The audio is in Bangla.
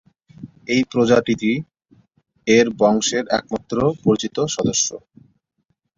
এই প্রজাতিটি এর বংশের একমাত্র পরিচিত সদস্য।